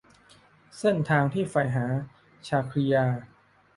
เส้นทางที่ใฝ่หา - ชาครียา